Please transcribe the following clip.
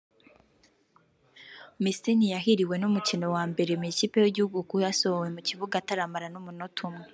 Messi ntiyahiriwe n’umukino wa mbere mu ikipe y’igihugu kuko yasohowe mu kibuga ataramara n’umunota umwe